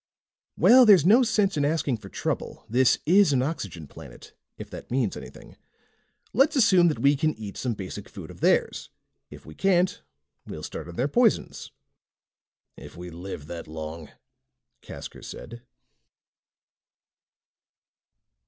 "Well, there's no sense in asking for trouble. This is an oxygen planet, if that means anything. Let's assume that we can eat some basic food of theirs. If we can't we'll start on their poisons." "If we live that long," Casker said.